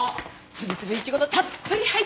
粒々イチゴのたっぷり入った。